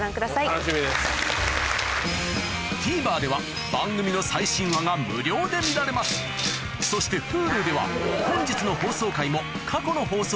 ＴＶｅｒでは番組の最新話が無料で見られますそしてＨｕｌｕでは本日の放送回も過去の放送回もいつでもどこでも見られます